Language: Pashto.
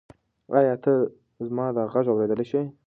ایا ته زما دا غږ اورېدلی شې؟